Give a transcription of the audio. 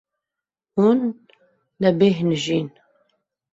Hûn nebêhnijîn.